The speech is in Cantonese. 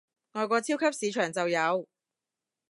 外國超級市場就有